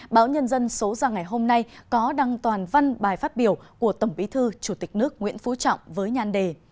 báo nhân dân số ra ngày hôm nay có đăng toàn văn bài phát biểu của tổng bí thư chủ tịch nước nguyễn phú trọng với nhan đề